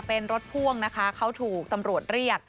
เป็นรถพ่วงนะคะเขาถูกตำรวจเรียก